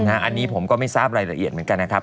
อันนี้ผมก็ไม่ทราบรายละเอียดเหมือนกันนะครับ